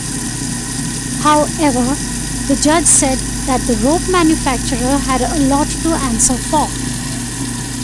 However, the judge said that the rope manufacturer had a lot to answer for.